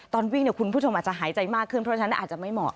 ตอนวิ่งคุณผู้ชมอาจจะหายใจมากขึ้นเพราะฉะนั้นอาจจะไม่เหมาะ